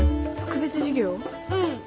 うん。